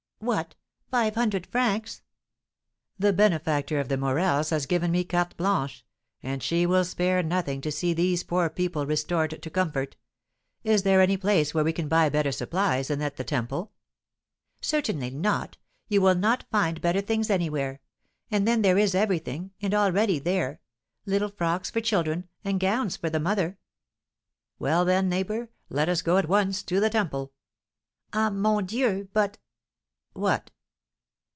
"What, five hundred francs?" "The benefactor of the Morels has given me carte blanche; and she will spare nothing to see these poor people restored to comfort. Is there any place where we can buy better supplies than at the Temple?" "Certainly not; you will not find better things anywhere; and then there is everything, and all ready, there; little frocks for children, and gowns for the mother." "Well, then, neighbour, let us go at once to the Temple:" "Ah, mon Dieu! but " "What?"